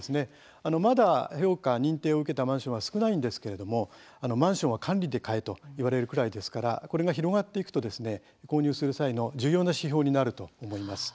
まだ評価、認定を受けたマンションは少ないんですけれどもマンションは管理で買えと言われるくらいですからこれが広がっていくと購入する際の重要な指標になると思います。